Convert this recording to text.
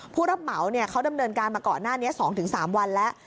ผู้รับเหมาเขาดำเนินการมาก่อนหน้านี้๒๓วันแล้ว